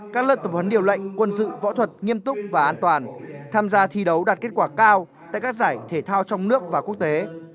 các lớp tập huấn điều lệnh quân sự võ thuật nghiêm túc và an toàn tham gia thi đấu đạt kết quả cao tại các giải thể thao trong nước và quốc tế